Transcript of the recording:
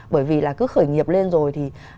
bởi vì là cứ khởi nghiệp lên rồi thì